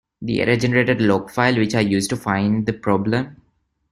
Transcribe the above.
The error generated a log file which I used to find the problem.